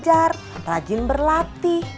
aku mau pergi